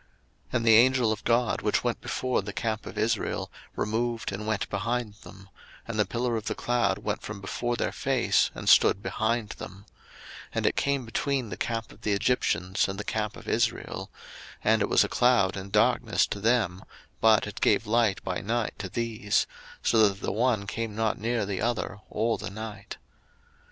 02:014:019 And the angel of God, which went before the camp of Israel, removed and went behind them; and the pillar of the cloud went from before their face, and stood behind them: 02:014:020 And it came between the camp of the Egyptians and the camp of Israel; and it was a cloud and darkness to them, but it gave light by night to these: so that the one came not near the other all the night.